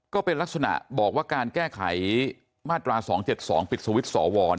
ก็เป็นลักษณะบอกว่าการแก้ไขมาตรา๒๗๒ปิดสวิตช์สว